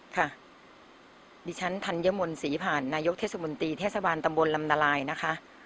ค่ะดิฉันธัญมนต์ศรีผ่านนายกเทศมนตรีเทศบาลตำบลลำนาลายนะคะ